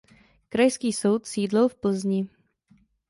Krajský soud sídlil v Plzni.